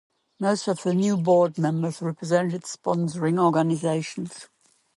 Most of the new board members represented sponsoring organizations.